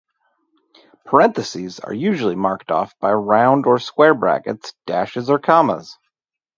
Parentheses are usually marked off by round or square brackets, dashes, or commas.